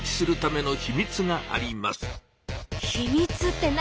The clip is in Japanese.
秘密って何？